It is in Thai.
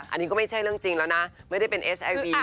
อันนี้ก็ไม่ใช่เรื่องจริงแล้วนะไม่ได้เป็นเอสไอวี